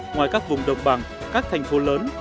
ngoài các vùng đồng bằng các thành phố lớn